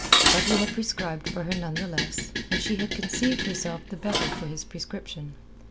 But he had prescribed for her none the less, and she had conceived herself the better for his prescription.